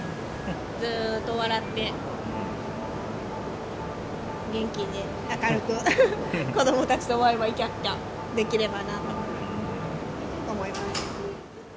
ずーっと笑って、元気に明るく、子どもたちとわいわい、きゃっきゃっ、できればなと思います。